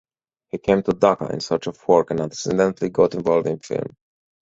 He came to Dhaka in search of work and accidentally got involved in film.